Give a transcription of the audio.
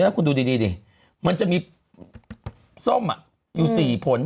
แล้วคุณดูดีมันจะมีส้มอยู่๔ผล